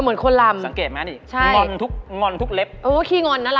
เหมือนคนลำไหมสังเกตมั้ยอ่ะนี่งอนทุกเล็บคือคือขี้งอนน่ะเหรอ